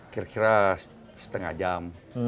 kira kira setengah jam